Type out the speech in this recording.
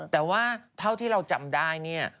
แต่ว่าเท่าที่เราจำได้เนี่ย